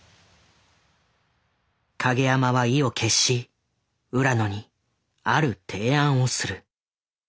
影山は意を決し浦野にある提案をする。